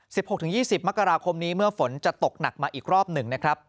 หกถึงยี่สิบมกราคมนี้เมื่อฝนจะตกหนักมาอีกรอบหนึ่งนะครับ